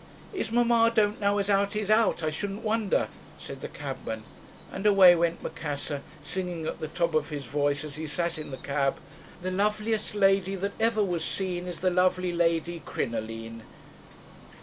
"'Is mamma don't know as 'ow 'e's hout, I shouldn't vonder,' said the cabman and away went Macassar, singing at the top of his voice as he sat in the cab 'The loveliest lady that ever was seen Is the lovely Lady Crinoline.'